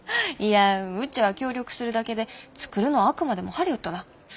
いやうちは協力するだけで作るのはあくまでもハリウッドなん。